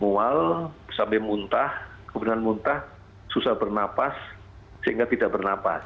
mual sampai muntah kemudian muntah susah bernapas sehingga tidak bernapas